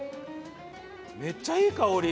めっちゃいい香り！